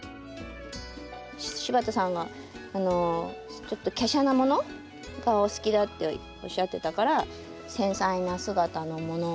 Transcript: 柴田さんがちょっときゃしゃなものがお好きだっておっしゃってたから繊細な姿のもの